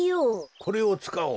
これをつかおう。